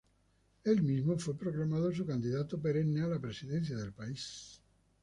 Él mismo fue proclamado su candidato perenne a la presidencia del país.